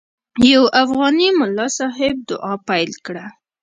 یو افغاني ملا صاحب دعا پیل کړه.